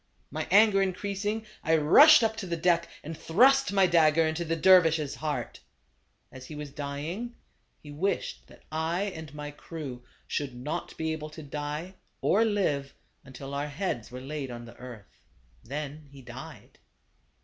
"My anger increasing, I rushed up to the deck, and thrust my dagger into the dervis' heart. As he was dying, he wished that I and my crew should not be able to die, or live, until our heads were laid on the earth. Then he died.